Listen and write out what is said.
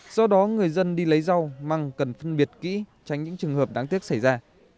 do đó người dân đi lấy rau măng cần phân biệt kỹ tránh những trường hợp đáng tiếc xảy ra